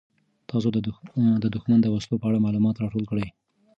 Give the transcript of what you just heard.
تاسو د دښمن د وسلو په اړه معلومات راټول کړئ.